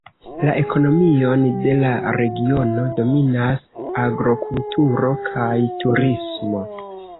La ekonomion de la regiono dominas agrokulturo kaj turismo.